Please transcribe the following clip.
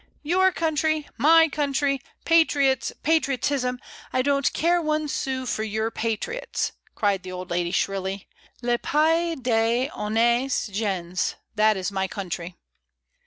"Your country! my country! Patriots, patriotism, I don't care one sou for your patriots," cried the old lady shrilly. "Zf pays des honnttes gens, that is my country."